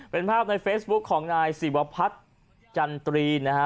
เป็นภาพในเฟซบุ๊คของนายศิวพัฒน์จันตรีนะฮะ